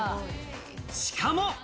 しかも。